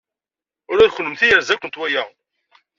Ula d kennemti yerza-kent waya.